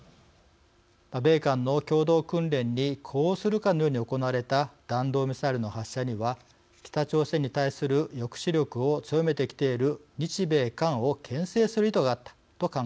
米韓の共同訓練に呼応するかのように行われた弾道ミサイルの発射には北朝鮮に対する抑止力を強めてきている日米韓をけん制する意図があったと考えられます。